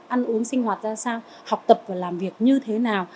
ăn uống sinh hoạt ra sao học tập và làm việc như thế nào